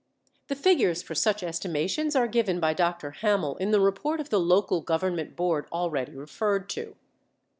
The figures for such estimations are given by Dr Hamill in the report of the Local Government Board already referred to.